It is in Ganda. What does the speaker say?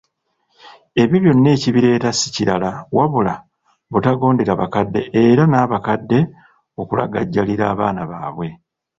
Ebyo byonna ekibireeta si kirala wabula butagondera bakadde, era nabakadde okulagajjalira abaana baabwe,